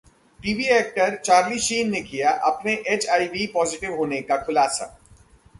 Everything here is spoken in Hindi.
टीवी एक्टर चार्ली शीन ने किया अपने एचआईवी पॉजिटिव होने का खुलासा